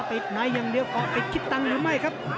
ในอย่างเดียวเกาะติดคิดตังค์หรือไม่ครับ